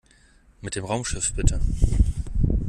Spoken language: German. Mit dem Raumschiff bitte!